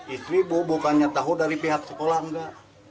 istri bu bukannya tahu dari pihak sekolah enggak